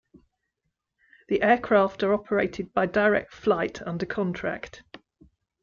The aircraft are operated by Directflight under contract.